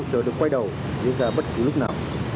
chờ được quay đầu đi ra bất cứ lúc nào